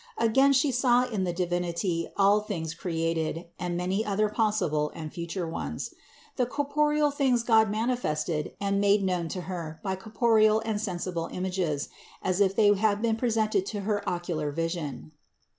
Again She saw in the Divinity all things created and many other possible and future ones. The corporeal things God manifested and made known to Her by corporeal and sensible images, as if they had been presented to her ocular vision.